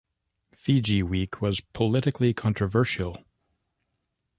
Fiji Week was politically controversial.